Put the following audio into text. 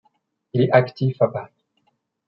Il est actif à Paris.